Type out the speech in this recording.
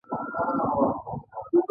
لوبې خوښې دي.